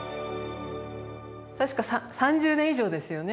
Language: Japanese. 確か３０年以上ですよね